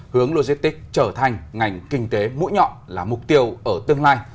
hướng logistics trở thành ngành kinh tế mũi nhọn là mục tiêu ở tương lai